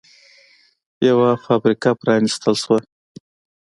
یوه فابریکه پرانېستل شوه